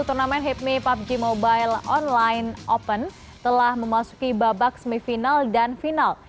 turnamen hipmi pubg mobile online open telah memasuki babak semifinal dan final